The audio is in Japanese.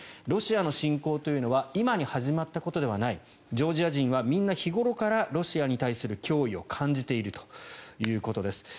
ロシアの侵攻というのは今に始まったことではないジョージア人はみんな日頃からロシアに対する脅威を感じているということです。